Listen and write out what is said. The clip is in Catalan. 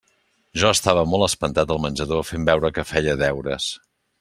Jo estava molt espantat al menjador, fent veure que feia deures.